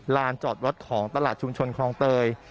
ลานจอดรถของตลาดชุมชนคลองเตย